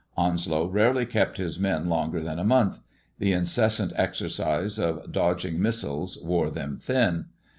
Onslow rarely kept his men longer than a month. The incessant exercise of dodging missiles wore them thin.